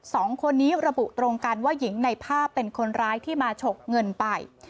สองคนนี้ระบุตรงกันว่าหญิงในภาพเป็นคนร้ายที่มาฉกเงินไป